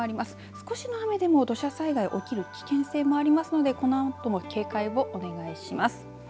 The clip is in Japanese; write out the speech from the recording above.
少しの雨でも土砂災害起きる危険性もありますのでこのあとも警戒をお願いします。